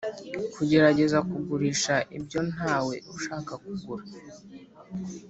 kugerageza kugurisha ibyo ntawe ushaka kugura.